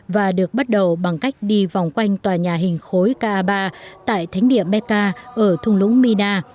và được bắt đầu bằng cách đi vòng quanh tòa nhà hình khối kaaba tại thánh điểm mecca ở thung lũng mina